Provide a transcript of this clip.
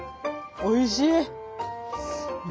おいしい！